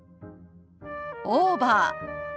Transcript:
「オーバー」。